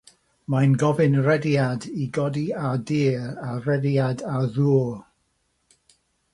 Mae'n gofyn rhediad i godi ar dir a rhediad ar ddŵr.